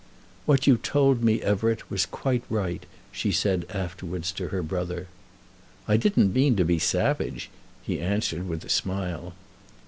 "What you told me, Everett, was quite right," she said afterwards to her brother. "I didn't mean to be savage," he answered with a smile.